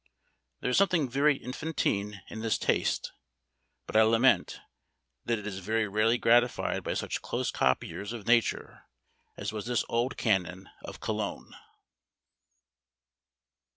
There is something very infantine in this taste; but I lament that it is very rarely gratified by such close copiers of nature as was this old canon of Cologne.